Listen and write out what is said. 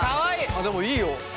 でもいいよ。